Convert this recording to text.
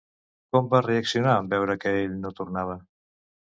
Com va reaccionar en veure que ell no tornava?